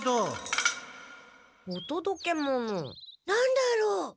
何だろう？